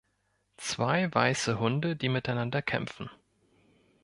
zwei weiße Hunde, die miteinander kämpfen